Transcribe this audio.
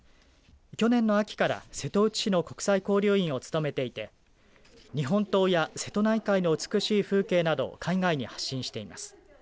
去年の秋から瀬戸内市の国際交流員を務めていて日本刀や瀬戸内海の美しい風景などを海外に発信しています。